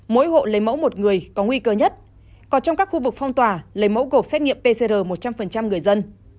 mỗi hộ lấy mẫu một người có nguy cơ nhất còn trong các khu vực phong tỏa lấy mẫu gộp xét nghiệm pcr một trăm linh người dân